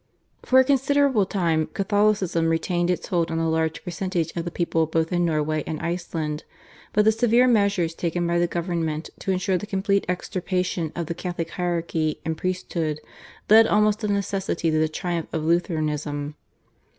For a considerable time Catholicism retained its hold on a large percentage of the people both in Norway and Iceland, but the severe measures taken by the government to ensure the complete extirpation of the Catholic hierarchy and priesthood led almost of necessity to the triumph of Lutheranism.